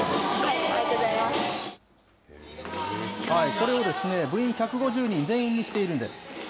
これを部員１５０人、全員にしているんです。